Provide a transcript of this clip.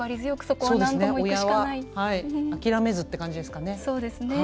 親は、諦めずって感じですかね。